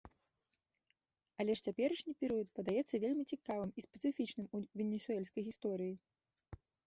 Але ж цяперашні перыяд падаецца вельмі цікавым і спецыфічным у венесуэльскай гісторыі.